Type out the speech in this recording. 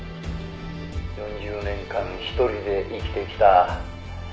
「４０年間一人で生きてきた。